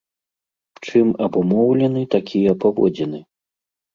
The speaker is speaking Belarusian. Чым абумоўлены такія паводзіны?